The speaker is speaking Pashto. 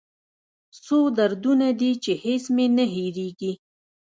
څو دردونه دي چې هېڅ مې نه هېریږي